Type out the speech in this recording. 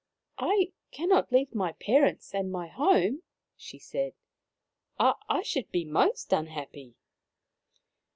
" I cannot leave my parents and my home, ,, she said. " I should be most unhappy."